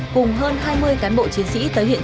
cùng hơn hai mươi cán bộ chiến sĩ tới hiện